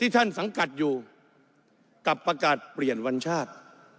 ท่านสังกัดอยู่กับประกาศเปลี่ยนวัญชาติ